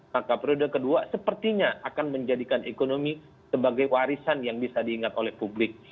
maka periode kedua sepertinya akan menjadikan ekonomi sebagai warisan yang bisa diingat oleh publik